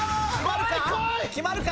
決まるか？